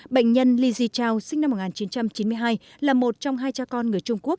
bệnh nhân li ji chao sinh năm một nghìn chín trăm chín mươi hai là một trong hai cha con người trung quốc